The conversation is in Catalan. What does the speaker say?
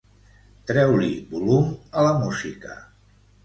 Treu-li volum a la música.